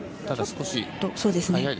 ただ少し早いですね。